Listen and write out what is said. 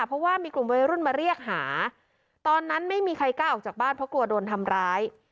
เพราะว่ามีกลุ่มวัยรุ่นมาเรียกหาตอนนั้นไม่มีใครกล้าออกจากบ้านเพราะกลัวโดนทำร้าย